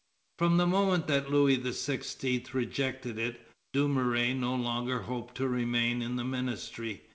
From the moment that Louis XVI. rejected it, Dumouriez no longer hoped to remain in the ministry.